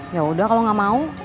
yaudah kalo gak mau